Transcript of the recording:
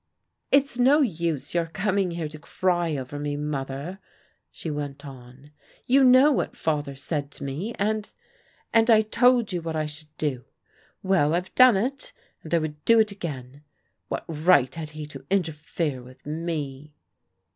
" It's no use your coming here to cry over mc, Mother," she went on. " You know what Father said to me, and — and I told you what I should do. Well, I've done it, and I would do it again. What right had he to interfere with me